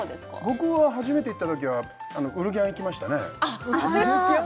僕は初めて行ったときはウルギャン行きましたねウルギャン？